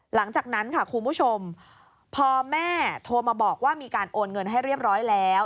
หลังจากนั้นค่ะคุณผู้ชมพอแม่โทรมาบอกว่ามีการโอนเงินให้เรียบร้อยแล้ว